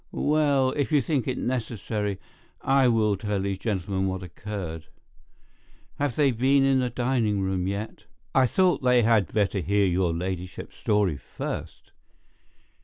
Well, if you think it necessary, I will tell these gentlemen what occurred. Have they been in the dining room yet?" "I thought they had better hear your ladyship's story first."